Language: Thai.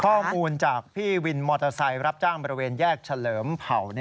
ข้อมูลจากพี่วินมอเตอร์ไซค์รับจ้างบริเวณแยกเฉลิมเผ่า